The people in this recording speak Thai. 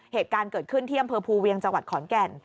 เหตุการณ์เกิดขึ้นที่อำเภอภูเวียงจังหวัดขอนแก่น